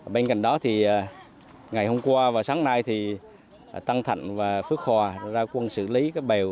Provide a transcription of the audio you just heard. bên cạnh đó thì ngày hôm qua và sáng nay thì tăng thạnh và phước hòa ra quân xử lý cái bèo